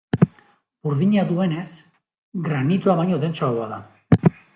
Burdina duenez, granitoa baino dentsoagoa da.